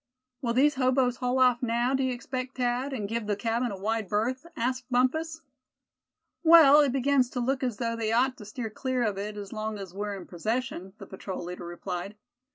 "Will these hoboes haul off now, do you expect, Thad, and give the cabin a wide berth?" asked Bumpus. "Well, it begins to look as though they ought to steer clear of it, as long as we're in possession," the patrol leader replied.